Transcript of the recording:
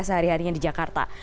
sehari harinya di jakarta